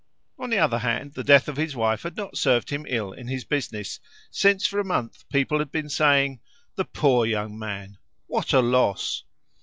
On the other hand, the death of his wife had not served him ill in his business, since for a month people had been saying, "The poor young man! what a loss!"